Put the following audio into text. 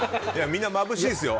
みんなまぶしいですよ。